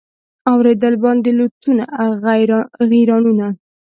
اورېدل باندي لوټونه غیرانونه